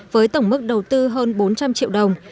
với tổng mức đầu tư hơn bốn trăm linh triệu đồng